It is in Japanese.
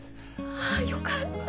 あよかった！